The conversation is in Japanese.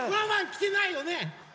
きてないよね？